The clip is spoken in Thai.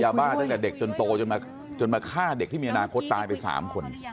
บ้านตั้งแต่เด็กจนโตจนมาฆ่าเด็กที่มีอนาคตตายไป๓คน